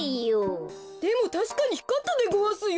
でもたしかにひかったでごわすよ。